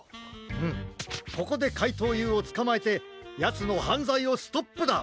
うんここでかいとうＵをつかまえてやつのはんざいをストップだ！